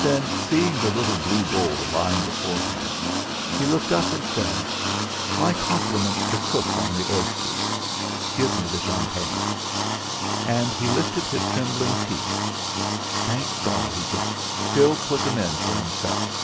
Then seeing the little blue bowl lying before him, he looked up and said: "My compliments to cook on the oysters. Give me the champagne." And he lifted his trembling teeth. Thank God, he could still put 'em in for himself!